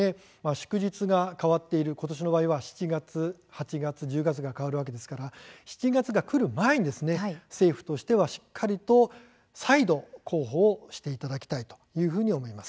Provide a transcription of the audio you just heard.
祝日が変わっていてことしの場合７月、８月、１０月と変わるので７月がくる前に政府としてはしっかり再度広報していただきたいと思います。